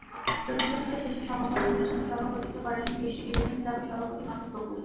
প্রতিযোগিতা শেষে সমাপনী অনুষ্ঠানের সভাপতিত্ব করেন দৃষ্টি ডিবেটিং ক্লাবের সভাপতি মাসুদ বকুল।